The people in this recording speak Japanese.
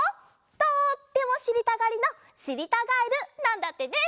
とってもしりたがりのしりたガエルなんだってね。